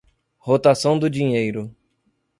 rotação do dinheiro